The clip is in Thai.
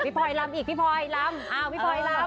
พี่พลอยลำอีกพี่พลอย